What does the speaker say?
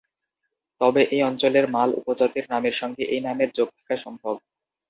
তবে এই অঞ্চলের মাল উপজাতির নামের সঙ্গে এই নামের যোগ থাকা সম্ভব।